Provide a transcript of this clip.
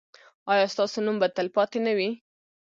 ایا ستاسو نوم به تلپاتې نه وي؟